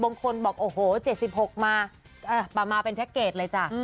บางคนบอก๗๖ปีมาประมาว์เป็นแพ็คเกชเลยจ้ะ